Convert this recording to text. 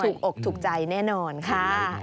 ถูกอกถูกใจแน่นอนค่ะ